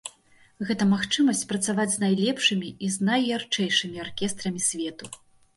Гэта магчымасць працаваць з найлепшымі і найярчэйшымі аркестрамі свету.